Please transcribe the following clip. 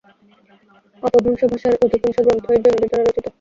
অপভ্রংশ ভাষার অধিকাংশ গ্রন্থই জৈনদের দ্বারা রচিত।